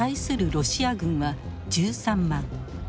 ロシア軍は１３万。